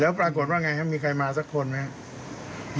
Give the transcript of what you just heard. แล้วปรากฏว่าไงครับมีใครมาสักคนไหมครับ